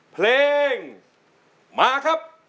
เพลงมาครับ